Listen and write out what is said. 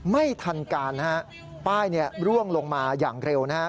ไม่ทันการฮะป้ายร่วงลงมาอย่างเร็วนะฮะ